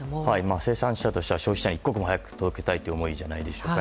生産者としては消費者に一刻も早く届けたいという思いじゃないでしょうか。